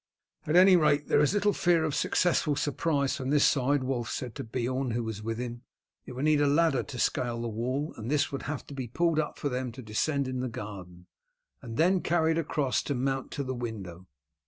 "At any rate, there is little fear of a successful surprise from this side," Wulf said to Beorn, who was with him. "It would need a ladder to scale the wall; this would have to be pulled up for them to descend into the garden, and then carried across to mount to the window.